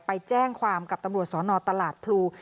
ไปแจ้งความกับตำรวจสนตลาดพลู